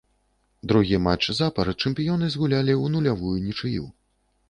Другі матч запар чэмпіёны згулялі ў нулявую нічыю.